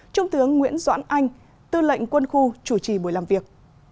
trung tướng nguyễn doãn anh tư lệnh quân khu chủ trì buổi làm việc